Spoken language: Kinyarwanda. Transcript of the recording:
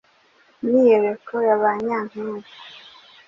Imyiyereko ya ba nyampinga